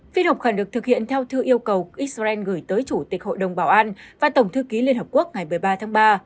phiên họp khẩn được thực hiện theo thư yêu cầu israel gửi tới chủ tịch hội đồng bảo an và tổng thư ký liên hợp quốc ngày một mươi ba tháng ba